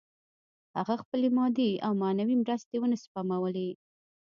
هغه خپلې مادي او معنوي مرستې ونه سپمولې